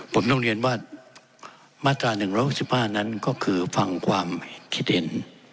ผมต้องเรียนว่ามาตรา๑๖๕นั้นก็คือฟังความคิดเห็น